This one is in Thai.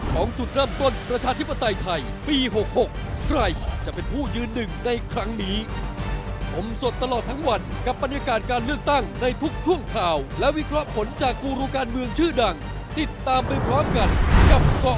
ครับต้องทำให้ได้เลย